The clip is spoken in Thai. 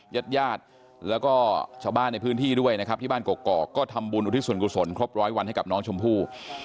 ญาติญาติแล้วก็ชาวบ้านในพื้นที่ด้วยนะครับที่บ้านกอกก็ทำบุญอุทิศส่วนกุศลครบร้อยวันให้กับน้องชมพู่